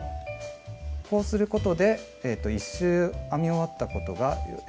こうすることで１周編み終わったことが簡単に分かります。